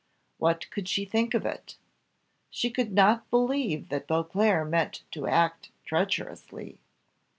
What could she think of it? She could not believe that Beauclerc meant to act treacherously.